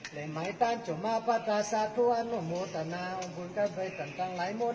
และไม่ต้านจงมาพระธรรมสาธุอันโมโมตนาองค์บุญกับเวทันทั้งหลายมนต์